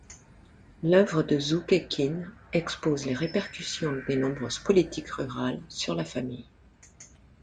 L'oeuvre de Zhou Keqin expose les répercussions des nombreuses politiques rurales sur la famille.